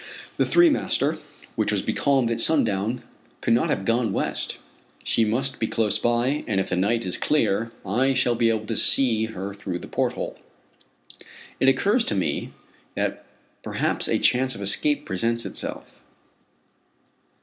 The three master, which was becalmed at sundown, could not have gone west. She must be close by, and if the night is clear, I shall be able to see her through the porthole. It occurs to me, that perhaps a chance of escape presents itself.